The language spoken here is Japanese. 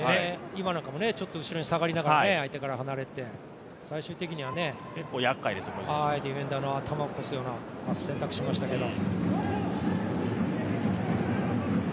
今なんかもちょっと後ろに下がりながら相手から離れて最終的にはディフェンダーの頭を越すような選択をしましたけど。